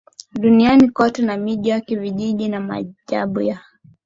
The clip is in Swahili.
duniani kote na miji yake vijiji na maajabu ya